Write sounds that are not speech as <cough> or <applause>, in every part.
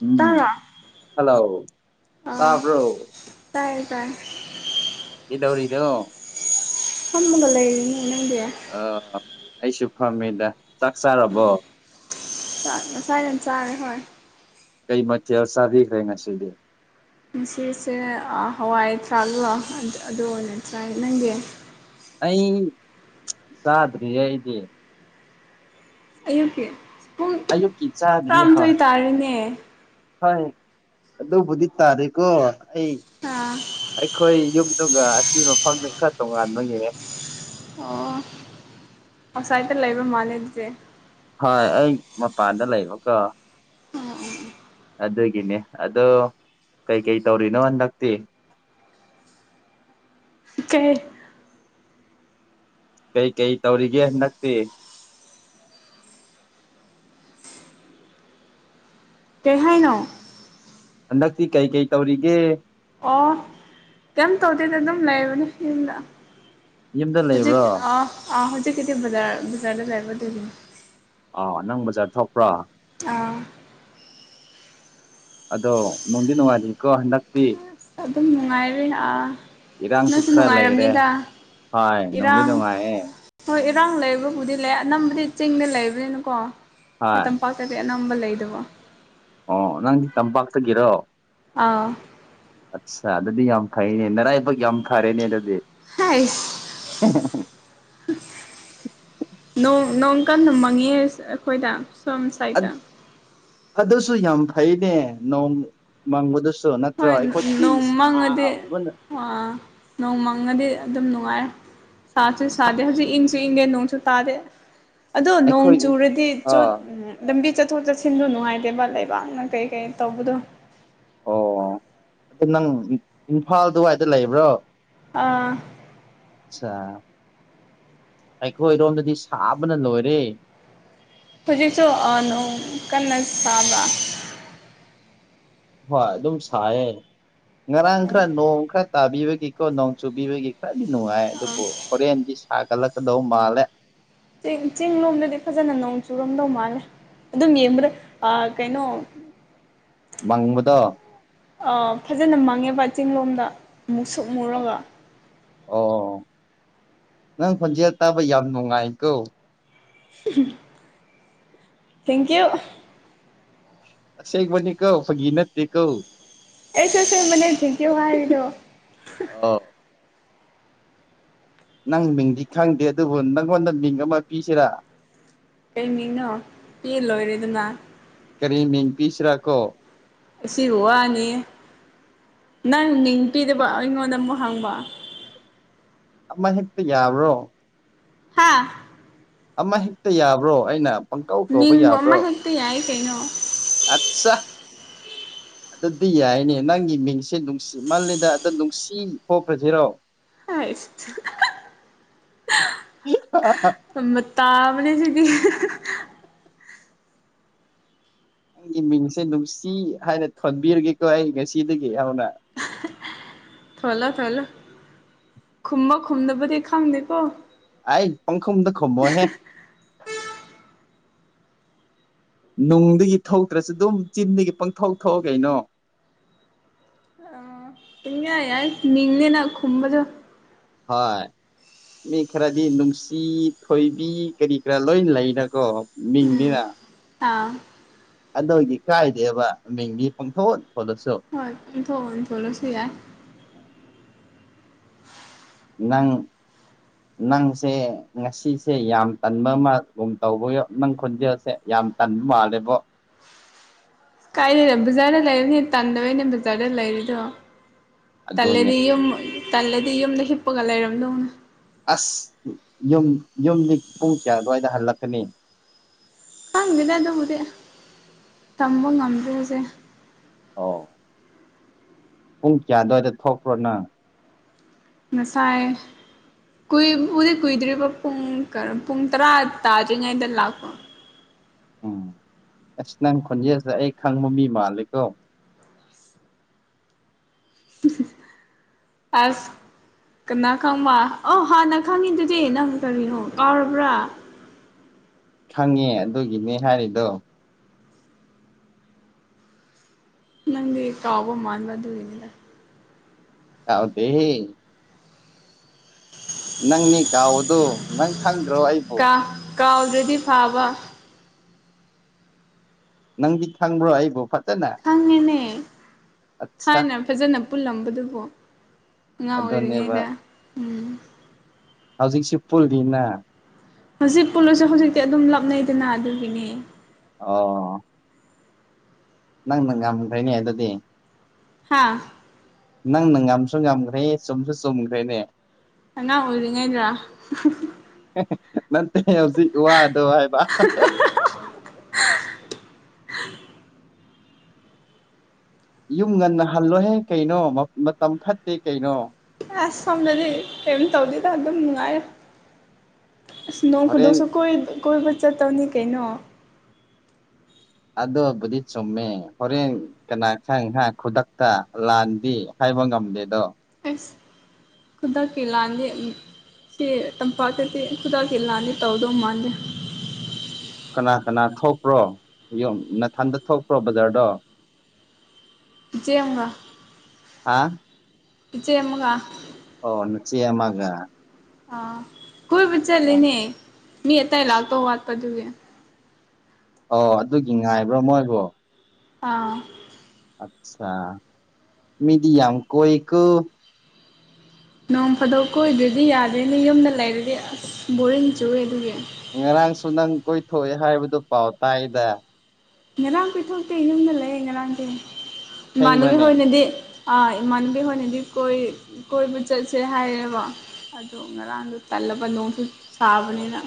ꯎꯝ ꯇꯥꯔꯣ ꯍꯜꯂꯣ ꯑꯥ ꯇꯥꯕ꯭ꯔꯣ ꯇꯥꯏꯌꯦ ꯇꯥꯏꯌꯦunintelligible ꯀꯩꯗꯧꯔꯤꯅꯣ ꯐꯥꯝꯃꯒ ꯂꯩꯔꯤꯅꯦ ꯅꯪꯗꯤ ꯑ ꯑꯩꯁꯨ ꯐꯝꯃꯤꯗ ꯆꯥꯛ ꯆꯥꯔꯕꯣ ꯆꯥꯛ ꯉꯁꯥꯏꯅ ꯆꯥꯔꯦ ꯍꯣꯏ ꯀꯩ ꯃꯊꯦꯜ ꯆꯥꯕꯤꯈ꯭ꯔꯦ ꯉꯁꯤꯗꯤ ꯉꯁꯤꯁꯦ ꯑ ꯍꯋꯥꯏ ꯊ꯭ꯔꯥꯛꯂꯣ ꯑꯗꯨ ꯑꯣꯏꯅ ꯆꯥꯏꯌꯦ ꯅꯪꯗꯤ ꯑꯩ ꯆꯥꯗ꯭ꯔꯤꯌꯦ ꯑꯩꯗꯤ ꯑꯌꯨꯛꯀꯤ ꯄꯨꯡ ꯑꯌꯨꯛꯀꯤ ꯇꯔꯥꯃꯥꯊꯣꯏ ꯇꯥꯔꯦꯅꯦ unintelligibleꯍꯣꯏ ꯑꯗꯨꯕꯨꯗꯤ ꯇꯥꯔꯦꯀꯣ ꯑꯩ ꯑꯥ ꯑꯩꯈꯣꯏ ꯌꯨꯝꯗꯨꯒ ꯑꯁꯤ ꯃꯐꯝꯗꯨ ꯈꯔ ꯇꯣꯉꯥꯟꯕinaudible ꯌꯦꯡꯑꯦ ꯑꯣ ꯑꯥꯎꯁꯥꯏꯠꯇ ꯂꯩꯕ ꯃꯥꯜꯂꯦ ꯑꯗꯨꯗꯤ ꯍꯣꯏ ꯑꯩ ꯃꯄꯥꯟꯗ ꯂꯩꯕꯀꯣ ꯑꯗꯨꯒꯤꯅꯦ ꯑꯗꯣ ꯀꯩꯀꯩ ꯇꯧꯔꯤꯅꯣ ꯍꯟꯗꯛꯇꯤ ꯀꯩ ꯀꯩ ꯀꯩ ꯇꯧꯔꯤꯒꯦ ꯍꯟꯗꯛꯇꯤ ꯀꯩꯍꯥꯏꯅꯣ ꯍꯟꯗꯛꯇꯤ ꯀꯩ ꯀꯩ ꯇꯧꯔꯤꯒꯦ ꯑꯣ ꯀꯩꯝ ꯇꯧꯗꯦꯗ ꯑꯗꯨꯝ ꯂꯩꯕꯅꯦ ꯌꯨꯝꯗ ꯌꯨꯝꯗ ꯍꯧꯖꯤꯛ ꯂꯩꯕ꯭ꯔꯣ ꯑ ꯑ ꯍꯧꯖꯤꯛ ꯀꯤꯗꯤ ꯕꯥꯖꯔ ꯔꯥꯖꯔꯗ ꯂꯩꯕ ꯗꯨꯒꯤ ꯑꯥ ꯅꯪ ꯕꯖꯥꯔ ꯊꯣꯛꯄ꯭ꯔꯥ ꯑꯥ ꯑꯗꯣ ꯅꯣꯡꯗꯤ ꯅꯣꯡꯉꯥꯢꯂꯤꯀꯣ ꯍꯟꯗꯛꯇꯤ ꯑꯗꯨꯝ ꯅꯨꯡꯉꯥꯏꯔꯦ ꯑꯥ ꯏꯔꯥꯡꯁꯨ ꯅꯪꯁꯨ ꯈꯔ ꯂꯩꯔꯦ ꯅꯨꯡꯉꯥꯏꯔꯝꯅꯤꯗ ꯍꯣꯏ ꯅꯨꯡꯗꯤ ꯏꯔꯥꯡ ꯅꯨꯡꯉꯥꯏꯌꯦ ꯍꯣꯏ ꯏꯔꯥꯡ ꯂꯩꯕꯕꯨꯗꯤ ꯂꯩ ꯑꯅꯝꯕꯗꯤ ꯆꯤꯡꯗ ꯂꯩꯕꯅꯤꯅꯀꯣ ꯁꯤ ꯍꯣꯏ ꯇꯝꯄꯥꯛ ꯇꯗꯤ ꯑꯅꯝꯕ ꯂꯩꯗꯕ ꯑꯣ ꯅꯪꯗꯤ ꯇꯝꯄꯥꯛꯇꯒꯤꯔꯣ ꯑꯥꯎ ꯑꯠꯁ ꯑꯗꯨꯗꯤ ꯌꯥꯝ ꯐꯩꯅꯦ ꯅꯔꯥꯏꯕꯛ ꯌꯥꯝ ꯐꯔꯦꯅꯦ ꯑꯗꯨꯗꯤ ꯍꯥꯏꯁ ꯅꯣꯡ ꯅꯣꯡ ꯀꯟꯅ ꯃꯪꯉꯦ ꯑꯩꯈꯣꯏꯗ ꯁꯣꯝ ꯁꯥꯏꯠꯇ ꯑꯗꯨꯁꯨ ꯌꯥꯝ ꯐꯩꯅꯦ ꯅꯣꯡ ꯃꯪꯕꯗꯨꯁꯨ ꯅꯠꯇ꯭ꯔꯣ ꯍꯣꯏ ꯑꯩꯈꯣꯏꯗꯤ ꯁꯥ ꯑ ꯅꯣꯡꯃꯪꯉꯥꯗꯤ ꯑꯗꯨꯝ ꯅꯨꯡꯉꯥꯏ ꯁꯥꯁꯨ ꯁꯥꯗꯦ ꯍꯧꯖꯤꯛ ꯏꯪ ꯏꯪꯉꯦ ꯅꯣꯡꯁꯨ ꯇꯥꯗꯦ ꯑꯗꯣ ꯅꯣꯡ ꯑꯩꯈꯣꯏ ꯆꯨꯔꯗꯤ ꯆꯣꯠ ꯑꯥ ꯂꯝꯕꯤ ꯆꯠꯊꯣꯛ ꯆꯠꯁꯤꯟꯗ ꯅꯨꯡꯉꯥꯏꯇꯦꯕ ꯂꯩꯕꯥꯛꯅ ꯀꯩ ꯀꯔꯤ ꯇꯧꯕꯗꯣ ꯑꯗꯣ ꯅꯪ ꯏꯝꯐꯥꯜ ꯑꯗꯨꯋꯥꯏꯗ ꯂꯩꯕ꯭ꯔꯣ ꯑꯥ ꯑꯠꯆꯥ ꯑꯩꯈꯣꯏꯔꯣꯝꯗꯗꯤ ꯁꯥꯕꯅ ꯂꯣꯏꯔꯦ ꯍꯧꯖꯤꯛꯁꯨ ꯑꯅꯣ ꯀꯟꯅꯁꯕ ꯍꯣꯏ ꯑꯗꯨꯝ ꯁꯥꯏꯌꯦ ꯉꯔꯥꯡ ꯑꯣ ꯈꯔ ꯅꯣꯡ ꯈꯔ ꯇꯥꯕꯤꯕꯒꯤꯀꯣ ꯅꯣꯡ ꯆꯨꯕꯤꯕꯒꯤ ꯈꯔꯗꯤ ꯅꯨꯡꯉꯥꯏ ꯑꯗꯨꯕꯨ ꯍꯣꯔꯦꯟꯗꯤ ꯁꯥꯒꯠꯂꯛꯀꯗꯧ ꯃꯥꯜꯂꯦ ꯆꯤꯡ ꯂꯣꯝꯗꯗꯤ ꯐꯖꯅ ꯅꯣꯡ ꯆꯨꯔꯝꯗꯧ ꯃꯥꯜꯂꯦ ꯑꯗꯨꯝ ꯌꯦꯡꯕꯗꯥ ꯑ ꯀꯩꯅꯣ ꯃꯪꯕꯗꯣ ꯑ ꯐꯖꯅ ꯃꯥꯡꯉꯦꯕ ꯆꯤꯡꯂꯣꯝꯗ ꯃꯨꯁꯨꯛ ꯃꯨꯔꯒ ꯑꯣ ꯅꯪ ꯈꯣꯟꯖꯦꯜ ꯇꯥꯕ ꯌꯥꯝ ꯅꯨꯡꯉꯥꯏꯀꯣ ꯊꯦꯡꯀꯤꯌꯨ ꯑꯁꯦꯡꯕꯅꯤ ꯀꯣ ꯐꯒꯤ ꯅꯠꯇꯦ ꯀꯣ ꯑꯩꯁꯨ ꯑꯁꯦꯡꯕꯅꯦ ꯊꯦꯡꯀꯤꯌꯨ ꯍꯥꯏꯔꯤꯗꯣ ꯑꯣ ꯅꯪ ꯃꯤꯡꯗꯤ ꯈꯪꯗꯦ ꯑꯗꯨꯕꯨ ꯅꯪꯉꯣꯟꯗ ꯃꯤꯡ ꯑꯃ ꯄꯤꯁꯦꯔꯥ ꯀꯩꯃꯤꯡꯅꯣ ꯄꯤ ꯂꯣꯏꯔꯦꯗꯅ ꯀꯔꯤ ꯃꯤꯡ ꯄꯤꯁꯤꯔꯥꯀꯣ ꯑꯁꯤꯕꯨ ꯋꯥꯅꯤ ꯅꯪ ꯃꯤꯡ ꯄꯤꯗꯕ ꯑꯩꯉꯣꯟꯗ ꯑꯃꯨꯛ ꯍꯪꯕ ꯑꯃ ꯍꯦꯛꯇ ꯌꯥꯕ꯭ꯔꯣ ꯍꯥꯥ ꯑꯃ ꯍꯦꯛꯇ ꯌꯥꯕ꯭ꯔꯣ ꯑꯩꯅ ꯄꯪꯀꯧ ꯀꯧꯕ ꯅꯤꯡꯕ ꯑꯃ ꯌꯥꯕ꯭ꯔꯣ ꯍꯦꯛꯇ ꯌꯥꯏ ꯀꯩꯅꯣ ꯑꯠꯆꯥ ꯑꯗꯨꯗꯤ ꯌꯥꯏꯅꯦ ꯅꯪꯒꯤ ꯃꯤꯡꯁꯦ ꯅꯨꯡꯁꯤ ꯃꯥꯜꯂꯦꯗ ꯑꯗꯣ ꯅꯨꯡꯁꯤ ꯊꯣꯛꯈ꯭ꯔꯁꯤꯔꯣ ꯑꯁ <unintelligible> ꯏ <unintelligible> ꯑꯝ ꯇꯕꯅꯤ ꯁꯤꯒꯤ ꯅꯪꯒꯤ ꯃꯤꯡꯁꯦ ꯅꯨꯡꯁꯤ ꯍꯥꯏꯅ ꯊꯣꯟꯕꯤꯔꯒꯦꯀꯣ ꯑꯩ ꯉꯁꯤꯗꯒꯤ ꯍꯧꯅ ꯊꯣꯜꯂꯣ ꯊꯣꯜꯂꯣ ꯈꯨꯝꯃ ꯈꯨꯝꯨꯝꯗꯕꯗꯤ ꯈꯪꯗꯦꯀꯣ ꯑꯩ ꯄꯪꯈꯨꯝꯗ ꯈꯨꯝꯃꯣꯍꯦ ꯅꯨꯡꯗꯒꯤ ꯊꯣꯛꯇ꯭ꯔꯁꯨ ꯑꯗꯨꯝ ꯆꯤꯟꯗꯒꯤ ꯄꯪꯊꯣꯛ ꯊꯣꯛꯑꯣ ꯀꯩꯅꯣ ꯏꯌꯥ ꯌꯥꯏ ꯃꯤꯡꯅꯦꯅ ꯈꯨꯝꯕꯁꯨ ꯍꯣꯏ ꯃꯤ ꯈꯔꯗꯤ ꯅꯨꯡꯁꯤ ꯊꯣꯏꯕꯤ ꯀꯔꯤ ꯀꯔꯥ ꯂꯣꯏ ꯂꯩꯅꯀꯣ ꯃꯤꯡꯅꯤꯅ ꯑ ꯑꯗꯨꯒꯤ ꯀꯥꯏꯗꯦꯕ ꯃꯤꯡꯒꯤ ꯄꯥꯡꯊꯣꯛ ꯊꯣꯛꯣꯂꯁꯨ ꯍꯣꯏ ꯊꯂꯣꯁꯨ ꯌꯥꯏ ꯅꯪ ꯅꯪꯁꯦ ꯉꯁꯤꯁꯦ ꯌꯥꯝ ꯇꯟꯕ ꯑꯃꯒꯨꯝ ꯇꯧꯕꯌꯣ ꯅꯪ ꯈꯣꯟꯖꯦꯜꯁꯦ ꯌꯥꯝ ꯇꯟ ꯃꯥꯜꯂꯦꯕꯣ ꯀꯥꯏꯗꯅꯣ ꯕꯖꯥꯔꯗ ꯂꯩꯔꯅꯦ ꯇꯥꯟꯗꯕꯅꯦ ꯕꯖꯥꯔꯗ ꯂꯩꯔꯤꯗꯣ ꯑꯗꯨꯅꯦ ꯇꯜꯂꯗꯤ ꯌꯨꯝ ꯇꯜꯂꯗꯤ ꯌꯨꯝꯗ ꯍꯤꯞꯄꯒ ꯂꯩꯥꯏꯔꯝꯗꯧꯅꯦ ꯑꯁ ꯌꯨꯝ ꯌꯨꯝꯒꯤ ꯄꯨꯡ ꯀꯌꯥ ꯑꯗꯨꯋꯥꯏꯗ ꯍꯜꯂꯛꯀꯅꯤ ꯈꯪꯗꯦꯗ ꯑꯗꯨꯕꯨꯗꯤ ꯇꯝꯕ ꯉꯝꯗ꯭ꯔꯣꯗꯦ ꯑꯣ ꯄꯨꯡ ꯀꯌꯥ ꯑꯗꯨꯋꯥꯏꯗ ꯊꯣꯛꯄ꯭ꯔꯣꯅ ꯉꯁꯥꯏ ꯀꯨꯏꯕꯨꯗꯤ ꯀꯨꯏꯗ꯭ꯔꯤꯕ ꯄꯨꯡ ꯀ ꯄꯨꯡ ꯇꯔꯥ ꯇꯥꯗ꯭ꯔꯤꯉꯩꯗ ꯂꯥꯛꯄ ꯎꯝ ꯑꯁ ꯅꯪ ꯈꯣꯟꯖꯦꯜꯁꯤꯗ ꯑꯩ ꯈꯪꯕ ꯃꯤ ꯃꯥꯜꯂꯦꯀꯣ ꯑꯁ ꯀꯅꯥ ꯈꯪꯕ ꯑꯩ ꯍꯥꯟꯅ ꯈꯪꯉꯤꯗꯨꯗꯤ ꯅꯪ ꯀꯔꯤꯅꯣ ꯀꯥꯎꯔꯕ꯭ꯔꯥ ꯈꯪꯉꯦ ꯑꯗꯨꯒꯤꯅꯦ ꯍꯥꯏꯔꯤꯗꯣ ꯅꯪꯒꯤ ꯇꯥꯎꯕ ꯃꯥꯥꯟꯕ ꯑꯗꯨꯏꯅꯤꯗ ꯌꯥꯎꯗꯦꯍꯦ ꯅꯪꯅꯤ ꯀꯥꯎꯗꯨ ꯅꯪ ꯈꯪꯗ꯭ꯔꯣ ꯑꯩꯕꯨ ꯀꯥꯎꯗ꯭ꯔꯗꯤ ꯐꯥꯕ ꯅꯪꯗꯤ ꯈꯪꯕ꯭ꯔꯣ ꯑꯩꯕꯨ ꯐꯖꯅ ꯈꯪꯉꯦꯅꯦ ꯑꯠꯁꯥ ꯊꯥꯏꯅ ꯐꯖꯅ ꯄꯨꯜꯂꯝꯕꯗꯨꯕꯨ ꯑꯉꯥꯡ ꯑꯗꯨꯅꯦꯕ ꯑꯣꯏꯔꯤꯉꯩꯗ ꯎꯝ ꯍꯧꯖꯤꯛꯁꯤ ꯄꯨꯜꯂꯤꯅ ꯍꯧꯖꯤꯛ ꯄꯨꯜꯂꯁꯨ ꯍꯧꯖꯤꯛꯇꯤ ꯑꯗꯨꯝ ꯂꯞꯅꯩꯗꯅ ꯑꯗꯨꯒꯤꯅꯦ ꯑꯣ ꯅꯪꯅ ꯉꯝꯈ꯭ꯔꯦꯅꯦ ꯑꯗꯨꯗꯤ ꯍꯥꯥ ꯅꯪ ꯅ ꯉꯝꯁꯨ ꯉꯝꯈ꯭ꯔꯦ ꯆꯨꯝꯁꯨ ꯆꯨꯝꯈ꯭ꯔꯦꯅꯦ ꯑꯉꯥꯡ ꯑꯣꯏꯔꯤꯉꯩꯗ꯭ꯔ ꯅꯠꯇꯦ ꯍꯧꯖꯤꯛ ꯋꯥꯗꯣ ꯍꯥꯏꯕ <unintelligible> ꯌꯨꯝ ꯉꯟꯅ ꯍꯜꯂꯣꯍꯦ ꯀꯩꯅꯣ ꯃꯇꯝ ꯐꯠꯇꯦ ꯀꯩꯅꯣ ꯑꯁ ꯁꯣꯝꯗꯗꯤ ꯀꯩꯝ ꯇꯧꯗꯗ ꯑꯗꯨꯝ ꯅꯨꯡꯉꯥꯏꯔ ꯑꯁ ꯅꯣꯡ ꯍꯣꯔꯦꯟ ꯈꯨꯨꯗꯣꯛꯁꯨ ꯀꯣꯏꯕ ꯆꯠꯇꯧꯅꯤ ꯀꯩꯅꯣ ꯑꯗꯣꯕꯨꯗꯤ ꯆꯨꯝꯃꯦ ꯍꯣꯔꯦꯟ ꯀꯅꯥ ꯈꯪ ꯍꯥꯏ ꯈꯨꯗꯛꯇ ꯂꯥꯟꯗꯤ ꯍꯥꯏꯕ ꯉꯝꯗꯦꯗꯣ ꯏꯁ ꯈꯨꯗꯛꯀꯤ ꯂꯥꯟꯗꯤ ꯎꯝ ꯁꯤ ꯇꯝꯄꯥꯛꯇꯗꯤ ꯈꯨꯗꯛꯀꯤ ꯂꯥꯟꯗꯤ ꯇꯧꯗꯧ ꯃꯥꯥꯟꯗꯦ ꯀꯅꯥ ꯀꯅꯥ ꯊꯣꯛꯄ꯭ꯔꯣ ꯌꯨꯝ ꯅꯊꯟꯗ ꯊꯣꯛꯄ꯭ꯔꯣ ꯕꯖꯥꯔꯗꯣ ꯏꯆꯦ ꯑꯝꯒ ꯑꯥ ꯏꯆꯦ ꯑꯃꯥꯒ ꯑꯣ ꯅꯆꯦ ꯑꯃꯥꯒ ꯑꯥ ꯀꯣꯏꯕ ꯆꯠꯂꯤꯅꯦ ꯃꯤ ꯑꯇꯩ ꯂꯥꯛꯇꯧ ꯋꯥꯠꯄ ꯑꯗꯨꯒꯤ ꯑꯣ ꯑꯗꯨꯒꯤ ꯉꯥꯏꯕ ꯃꯣꯏꯕꯨ ꯑꯥ ꯑꯠꯁꯥ ꯃꯤꯗꯤ ꯌꯥꯝ ꯀꯣꯏꯀꯣ ꯅꯣꯡ ꯐꯥꯗꯣꯛ ꯀꯣꯏꯗ꯭ꯔꯗꯤ ꯌꯥꯗꯦꯅꯦ ꯌꯨꯝꯗ ꯂꯩꯔꯗꯤ ꯑꯁ ꯕꯣꯔꯤꯡ ꯆꯨꯏꯌꯦ ꯑꯗꯨꯒꯤ ꯉꯔꯥꯡꯁꯨ ꯅꯪ ꯀꯣꯏꯊꯣꯛꯑꯦ ꯍꯥꯏꯕꯗꯨ ꯄꯥꯎ ꯇꯥꯏꯗ ꯉꯔꯥꯡ ꯀꯣꯏꯊꯣꯛꯇꯦ ꯌꯨꯝꯗ ꯂꯩ ꯉꯔꯥꯡꯗꯤ ꯏꯃꯥꯟꯅꯕꯤ ꯁꯦꯡꯕ꯭ꯔꯅꯦ ꯍꯣꯏꯅꯗꯤ ꯑꯥ ꯏꯃꯥꯟꯅꯕꯤ ꯍꯣꯏꯅꯗꯤ ꯀꯣꯏ ꯀꯣꯏꯕ ꯆꯠꯁꯦ ꯍꯥꯏꯌꯦꯕ ꯑꯗꯨ ꯉꯔꯥꯡꯗꯨ ꯇꯜꯂꯕ ꯅꯣꯡꯁꯨ ꯁꯥꯕꯅꯤꯅ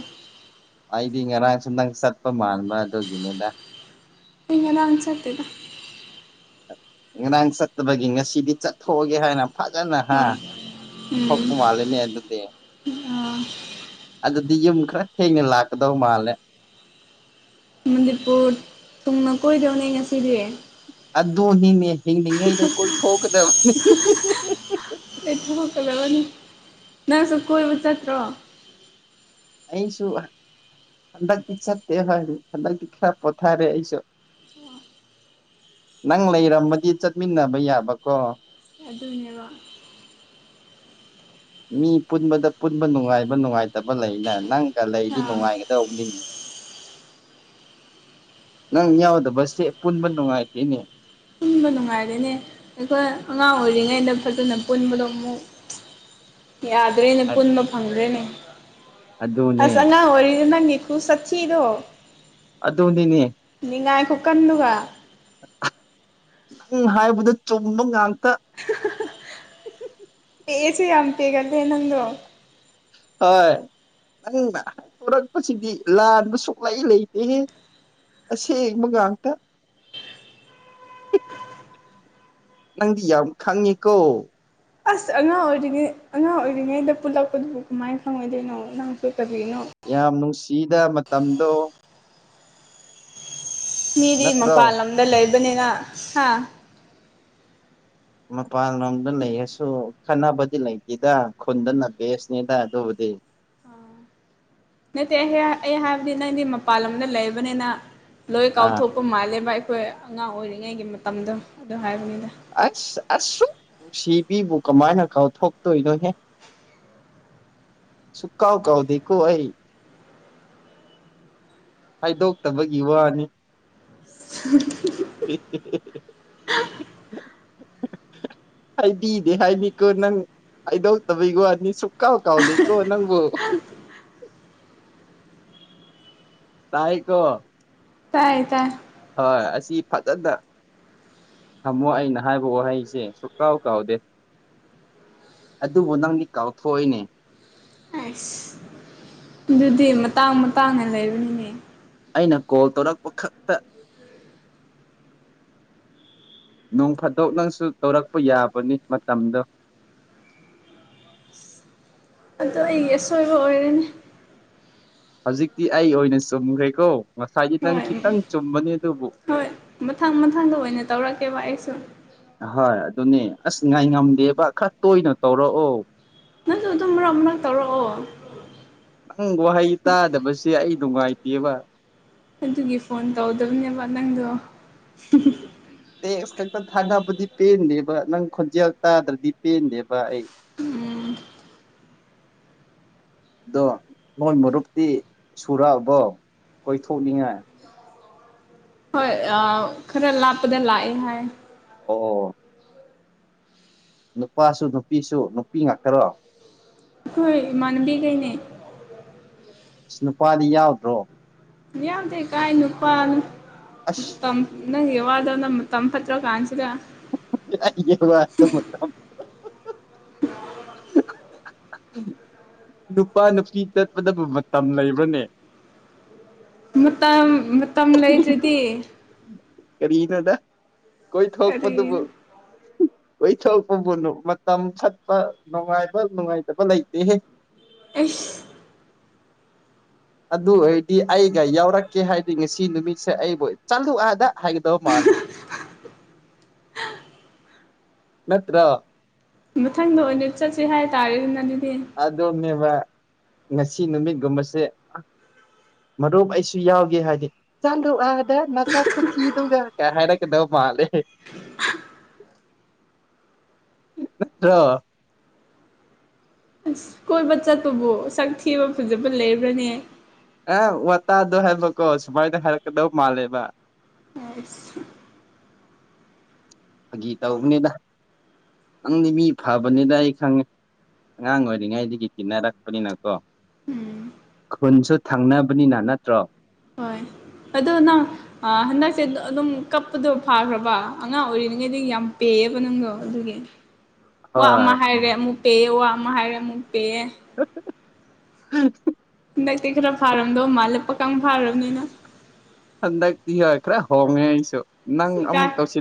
ꯑꯩꯗꯤ ꯉꯔꯥꯡꯁꯨ ꯅꯪ ꯆꯠꯄ ꯃꯥꯟꯕ ꯑꯗꯨꯒꯤꯅꯤꯗ ꯑꯩ ꯉꯔꯥꯡ ꯆꯠꯇꯦꯗ ꯉꯔꯥꯡ ꯆꯠꯇꯕꯒꯤ ꯉꯁꯤꯗꯤ ꯆꯠꯊꯣꯛꯑꯒꯦ ꯍꯥꯏꯅ ꯐꯖꯅ ꯍꯥ ꯍꯣꯏ ꯎꯝ ꯊꯣꯛꯄ ꯃꯥꯜꯂꯦꯅꯦ ꯑꯗꯨꯗꯤ ꯑꯥ ꯑꯗꯨꯗꯤ ꯌꯨꯝ ꯈꯔ ꯊꯦꯡꯅ ꯂꯥꯛꯀꯗꯧ ꯃꯥꯜꯂꯦ ꯃꯅꯤꯄꯨꯔ ꯇꯨꯡꯅ ꯀꯣꯏꯗꯧꯅꯦ ꯉꯁꯤꯗꯤ ꯑꯗꯨꯅꯤꯅꯦ ꯍꯤꯡꯂꯤꯉꯩꯗ ꯀꯣꯏꯊꯣꯛꯀꯗꯕꯅꯤ <unintelligible> ꯑꯩ ꯊꯣꯛꯂꯀꯗꯕꯅꯤ ꯅꯪꯁꯨ ꯀꯣꯏꯕ ꯆꯠꯇ꯭ꯔꯣ ꯑꯩꯁꯨ ꯍꯟꯗꯛꯇꯤ ꯆꯠꯇꯦ <unintelligible> ꯍꯟꯗꯛꯇꯤ ꯈꯔ ꯄꯣꯊꯥꯔꯦ ꯑꯩꯁꯨ <unintelligible> ꯅꯪ ꯂꯩꯔꯝꯃꯗꯤ ꯆꯠꯃꯤꯟꯅꯕ ꯌꯥꯕꯀꯣ ꯑꯗꯨꯅꯦꯕ ꯃꯤ ꯄꯨꯟꯕꯗ ꯄꯨꯟꯕ ꯅꯨꯡꯉꯥꯏꯕ ꯅꯨꯡꯉꯥꯏ ꯇꯕ ꯂꯩꯅ ꯅꯪꯒ ꯂꯩꯗꯤ ꯑꯥ ꯅꯨꯡꯉꯥꯏꯒꯗꯧꯕꯅꯤ ꯅꯪ ꯌꯥꯎꯗꯕꯁꯦ ꯄꯨꯟꯕ ꯅꯨꯡꯉꯥꯏꯇꯦꯅꯦ ꯄꯨꯟꯕ ꯅꯨꯡꯉꯥꯏꯔꯦꯅꯦ ꯑꯩꯈꯣꯏ ꯑꯉꯥꯡ ꯑꯣꯏꯔꯤꯉꯩꯗ ꯐꯖꯅ ꯄꯨꯟꯕꯗꯣ ꯑꯃꯨꯛ ꯌꯥꯗ꯭ꯔꯦꯅꯦ ꯄꯨꯟꯕ ꯐꯪꯗ꯭ꯔꯦꯅꯦ ꯑꯗꯨꯅꯦ ꯑꯁ ꯑꯉꯥꯡ ꯑꯉꯥꯡ ꯑꯣꯏꯔꯤꯉꯩꯗ ꯅꯪꯒꯤ ꯈꯨ ꯁꯛꯊꯤꯗꯣ ꯑꯗꯨꯅꯤꯅꯦ ꯅꯤꯡꯉꯥꯏ ꯈꯨꯀꯟꯗꯨꯒ <unintelligible> ꯅꯪ ꯍꯥꯏꯕꯗꯣ ꯆꯨꯝꯕ ꯉꯥꯛꯇ <unintelligible> ꯄꯦꯑꯦꯁꯤ ꯌꯥꯝ ꯄꯦꯒꯜꯂꯦ ꯅꯪꯗꯣ ꯍꯣꯏ ꯅꯪꯅ ꯍꯥꯏꯗꯣꯔꯛꯄꯁꯤꯗꯤ ꯂꯥꯟꯕ ꯁꯨꯛꯂꯩ ꯂꯩꯇꯦꯍꯦ ꯑꯁꯦꯡꯕꯥ ꯉꯥꯛꯇ ꯅꯪꯗꯤ ꯌꯥꯝ ꯈꯪꯉꯤꯀꯣ ꯑꯁ ꯑꯉꯥꯡ ꯑꯣꯏꯔꯤꯉꯩ ꯑꯉꯥꯡ ꯑꯣꯏꯔꯤꯉꯩꯗ ꯄꯨꯜꯂꯛꯄꯗꯨꯕꯨ ꯀꯃꯥꯏ ꯈꯪꯉꯣꯏꯗꯣꯏꯅꯣ ꯅꯪꯁꯨ ꯀꯔꯤꯅꯣ ꯌꯥꯝ ꯅꯨꯡꯁꯤꯗ ꯃꯇꯝꯗꯣ ꯃꯤꯗꯤ ꯅꯠꯇ꯭ꯔꯣ ꯃꯄꯥꯜ ꯂꯝꯗ ꯂꯩꯕꯅꯤꯅ ꯍꯥ ꯃꯄꯥꯟꯂꯣꯝꯗ ꯂꯩꯔꯁꯨ ꯈꯠꯅꯕꯗꯤ ꯂꯩꯇꯦꯗ ꯈꯨꯟꯗꯅ ꯕꯦꯁꯅꯤꯗ ꯑꯗꯨꯕꯨꯗꯤ ꯅꯠꯇꯦ <unintelligible> ꯑꯩ ꯍꯥꯏꯕꯗꯤ ꯅꯪꯗꯤ ꯃꯄꯥꯟ ꯂꯝꯗ ꯂꯩꯕꯅꯤꯅ ꯂꯣꯏ ꯑꯥ ꯀꯥꯎꯊꯣꯛꯄ ꯃꯥꯜꯂꯦꯕ ꯑꯩꯈꯣꯏ ꯑꯉꯥꯡ ꯑꯣꯏꯔꯤꯉꯩꯒꯤ ꯃꯇꯝꯗꯣ ꯑꯗꯨ ꯍꯥꯏꯕꯅꯤꯗ ꯑꯁ ꯑꯁꯨꯛ ꯅꯨꯡꯁꯤꯕꯤꯕꯨ ꯀꯃꯥꯏꯅ ꯀꯥꯎꯊꯣꯛꯇꯣꯏꯅꯣꯍꯦ ꯁꯨꯀꯥꯎ ꯀꯥꯎꯗꯦꯀꯣ ꯑꯩꯩ ꯍꯥꯏꯗꯣꯛꯇꯕꯒꯤ ꯋꯥꯅꯤ <unintelligible> <unintelligible> <unintelligible> ꯍꯥꯏꯗꯤꯗꯤ ꯍꯥꯏꯅꯤꯀꯣ ꯅꯪ ꯍꯥꯏꯗꯧꯇꯕꯩ ꯋꯥꯅꯤ ꯁꯨ ꯀꯥꯎ ꯀꯥꯎꯗꯦ ꯀꯣ ꯅꯪꯕꯨ ꯇꯥꯏꯀꯣ ꯇꯥꯏ ꯇꯥꯢ ꯍꯣꯏ ꯑꯁꯤ ꯐꯖꯅ ꯊꯝꯃꯣ ꯑꯩꯅ ꯍꯥꯏꯕ ꯋꯥꯍꯩꯁꯦ ꯁꯨꯛ ꯀꯥꯎ ꯀꯥꯎꯗꯦ ꯑꯗꯨꯕꯨ ꯅꯪꯗꯤ ꯀꯥꯎꯊꯣꯛꯑꯣꯏꯅꯦ ꯑꯁ ꯑꯗꯨꯗꯤ ꯃꯇꯥꯡ ꯃꯇꯥꯡꯅ ꯂꯩꯕꯅꯤꯅꯦ ꯑꯩꯅ ꯀꯣꯜ ꯇꯧꯔꯛꯄ ꯈꯛꯇ ꯅꯣꯡ ꯐꯥꯗꯣꯛ ꯅꯪꯁꯨ ꯇꯧꯔꯛꯄ ꯌꯥꯕꯅꯤ ꯃꯇꯝꯗꯣ ꯑꯗꯣ ꯑꯩꯒꯤ ꯑꯁꯣꯏꯕ ꯑꯣꯏꯔꯅꯦ ꯍꯧꯖꯤꯛꯇꯤ ꯑꯩ ꯑꯣꯏꯅ ꯆꯨꯝꯈ꯭ꯔꯦꯀꯣ ꯉꯁꯥꯏꯗꯤ ꯅꯪ ꯍꯣꯏ ꯈꯤꯇꯪ ꯆꯨꯝꯕꯅꯤ ꯑꯗꯨꯕꯨ ꯍꯣꯏ ꯃꯊꯪ ꯃꯊꯪꯗ ꯑꯣꯏꯅ ꯇꯧꯔꯛꯀꯦꯕ ꯑꯩꯁꯨ ꯍꯣꯏ ꯑꯗꯨꯅꯦ ꯑꯁ ꯉꯥꯏ ꯉꯝꯗꯦꯕ ꯈꯔ ꯇꯣꯏꯅ ꯇꯧꯔꯛꯑꯣ ꯑꯗꯨꯗ ꯑꯗꯨꯝ ꯃꯔꯛ ꯃꯔꯛ ꯇꯧꯔꯛꯑꯣ ꯅꯪ ꯋꯥꯍꯩ ꯇꯥꯗꯕꯁꯦ ꯑꯩ ꯅꯨꯡꯉꯥꯏꯇꯦꯕ ꯑꯗꯨꯒꯤ ꯐꯣꯟ ꯇꯧꯗꯕꯅꯦꯕ ꯅꯪꯗꯣ ꯇꯦꯛꯁ ꯈꯛꯇ ꯊꯥꯅꯕꯗꯤ ꯄꯦꯟꯗꯦꯕ ꯅꯪ ꯈꯣꯟꯖꯦꯜ ꯇꯥꯗ꯭ꯔꯗꯤ ꯄꯦꯟꯗꯦꯕ ꯑꯩ ꯎꯝ ꯑꯗꯣ ꯅꯣꯏ ꯃꯔꯨꯞꯇꯤ ꯁꯨꯔꯛꯑꯕꯣ ꯀꯣꯏꯊꯣꯛꯅꯤꯡꯉꯥꯏ ꯍꯣꯏ ꯈꯔ ꯂꯥꯞꯄꯗ ꯂꯥꯛꯑꯦ ꯍꯥꯏ ꯑꯣ ꯅꯨꯄꯥꯁꯨ ꯅꯨꯄꯤꯁꯨ ꯅꯨꯄꯤ ꯉꯥꯛꯇꯔꯣ ꯑꯩꯈꯣꯏ ꯏꯃꯥꯟꯕꯤ ꯀꯩꯅꯦ ꯑꯁ ꯅꯨꯄꯥꯗꯤ ꯌꯥꯎꯗ꯭ꯔꯣ ꯌꯥꯝꯗ ꯀꯥꯏ ꯅꯨꯄꯝ ꯑꯁ ꯏ ꯌ ꯌꯥꯋꯥꯗ ꯅ ꯇꯝꯄꯇꯣ ꯀꯥꯟꯁꯤꯗ ꯏꯦꯗ ꯅꯨꯄꯥ ꯅꯨꯄꯤ ꯆꯠꯄꯗꯕꯨ ꯃꯇꯝ ꯂꯩꯕ꯭ꯔꯅꯦ ꯃꯇꯝ ꯃꯇꯝ ꯂꯩꯗ꯭ꯔꯗꯤ ꯀꯔꯤ ꯅꯗ ꯀꯣꯏ ꯊꯣꯛꯣ ꯃꯗꯨ ꯀꯔꯤꯅꯣ ꯀꯣꯏꯊꯣꯛꯄꯕꯨꯅ ꯃꯇꯝ ꯐꯠꯄ ꯅꯨꯡꯉꯥꯏꯕ ꯅꯨꯡꯉꯥꯏꯇꯕ ꯂꯩꯇꯦ ꯑ ꯑꯗꯨ ꯑꯣꯏꯔꯗꯤ ꯑꯩꯒ ꯌꯥꯎꯔꯛꯀꯦ ꯍꯥꯏꯗꯤ ꯉꯁꯤ ꯅꯨꯃꯤꯠꯁꯦ ꯑꯩꯕꯨ ꯆꯠꯂꯨ ꯑꯗ ꯍꯥꯏꯗꯧ ꯃꯥꯂꯦ ꯅꯠꯇ꯭ꯔ ꯃꯊꯪꯗ ꯑꯣꯏꯅ ꯆꯠꯁꯤ ꯍꯥꯏꯇꯥꯔꯦ ꯑꯗꯨꯅ ꯑꯗꯨꯗꯤ ꯑꯗꯨꯣꯅꯦꯕ ꯉꯁꯤ ꯅꯨꯃꯤꯠꯒꯨꯝꯕꯁꯦ ꯃꯔꯨꯞ ꯑꯩꯁꯨ ꯌꯥꯎꯒꯦ ꯍꯥꯏꯗꯤ ꯆꯥꯗꯣꯛ ꯑꯗ ꯅꯆꯥꯛ ꯈꯨꯊꯤꯗꯨꯒ ꯀ ꯍꯥꯏꯔꯛꯀꯗꯧ ꯃꯥꯜꯂꯦ ꯅꯠꯇ꯭ꯔ ꯑꯁ ꯀꯣꯏꯕ ꯆꯠꯄꯕꯨ ꯁꯛ ꯊꯤꯕ ꯐꯖꯕ ꯂꯩꯕ꯭ꯔꯅꯦ ꯑꯦ ꯋꯥꯇꯥꯗꯣ ꯍꯥꯏꯕꯀꯣ ꯁꯨꯃꯥꯏꯅ ꯍꯥꯏꯔꯛꯀꯗꯧ ꯃꯥꯜꯂꯦꯕ ꯑꯁ ꯐꯥꯒꯤ ꯇꯔꯛꯅꯤꯗ ꯅꯪꯗꯤ ꯃꯤ ꯐꯕꯅꯤꯗ ꯑꯩ ꯈꯪꯉꯦ ꯑꯉꯥꯡ ꯑꯣꯏꯔꯤꯉꯩꯗꯒꯤ ꯀꯤꯟꯅꯔꯛꯄꯅꯤꯅꯀꯣ ꯈꯨꯟꯁꯨ ꯊꯪꯅꯕꯅꯤꯅ ꯅꯠꯇ꯭ꯔꯣ ꯍꯣꯏ ꯑꯗꯣꯅ ꯍꯟꯗꯛꯁꯦ ꯑꯗꯨꯝ ꯀꯞꯄꯗꯣ ꯐꯥꯈ꯭ꯔꯕ ꯑꯉꯥꯡ ꯑꯣꯏꯔꯤꯔꯤꯉꯩꯗꯤ ꯌꯥꯝ ꯄꯦꯑꯕ ꯅꯪꯗꯣ ꯑꯗꯨꯒꯤ ꯑ ꯋꯥ ꯑꯃ ꯍꯥꯏꯔꯦ ꯑꯃꯨꯛ ꯄꯦꯑꯦ ꯋꯥ ꯑꯃ ꯍꯥꯏꯔꯦ ꯑꯃꯨꯛ ꯄꯦꯑꯦ <unintelligible> ꯍꯟꯗꯛꯇꯤ ꯈꯔ ꯐꯥꯔꯝꯗꯧ ꯃꯥꯜꯂꯛꯄꯀ ꯐꯥꯔꯕꯅꯤꯅ ꯍꯟꯗꯛꯗꯤ ꯈ꯭ꯔ ꯍꯣꯡꯉꯦ ꯑꯩꯁꯨ ꯅꯪ ꯏꯀꯥꯏ ꯑꯃꯨꯛ ꯀꯧꯁꯤꯜ